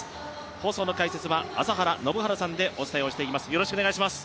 放送の解説は朝原宣治さんでお送りします。